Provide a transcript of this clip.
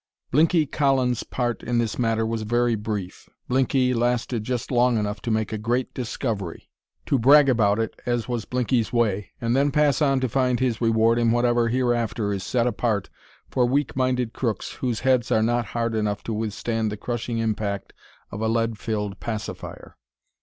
Blinky Collins' part in this matter was very brief. Blinky lasted just long enough to make a great discovery, to brag about it as was Blinky's way, and then pass on to find his reward in whatever hereafter is set apart for weak minded crooks whose heads are not hard enough to withstand the crushing impact of a lead filled pacifier.